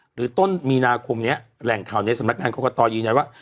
ต้นมีนาคมนี้แหล่งข่าวในสำนักงานกรกตยืนยันว่า